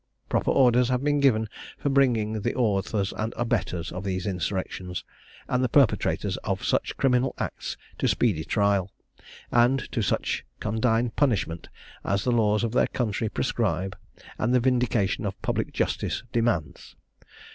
"Proper orders have been given for bringing the authors and abettors of these insurrections, and the perpetrators of such criminal acts, to speedy trial, and to such condign punishment as the laws of their country prescribe, and the vindication of public justice demands.